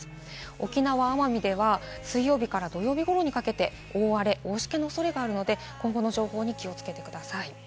沖縄・奄美では水曜日から土曜日ごろにかけて大荒れ、大しけのおそれがあるので今後の情報に気をつけてください。